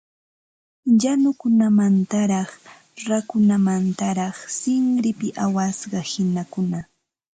Llañumantaraq rakukamantaraq sinrinpi awasqa qinakuna